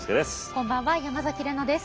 こんばんは山崎怜奈です。